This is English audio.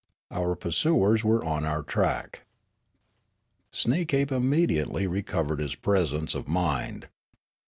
Our pursuers were on our track. Sneekape immediately recovered his presence of mind.